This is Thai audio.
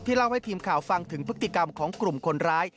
เล่าให้ทีมข่าวฟังถึงพฤติกรรมของกลุ่มคนร้าย